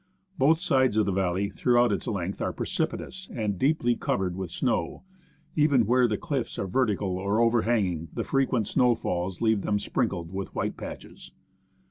Both sides of the valley throughout its length are pre cipitous and deeply covered with snow ; even where the cliffs are vertical or overhanging the frequent snow falls leave them sprinkled with white patches.